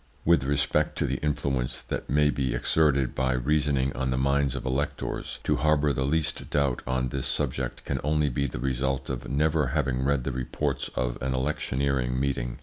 With respect to the influence that may be exerted by reasoning on the minds of electors, to harbour the least doubt on this subject can only be the result of never having read the reports of an electioneering meeting.